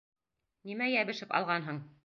Нимә йәбешеп алғанһың?!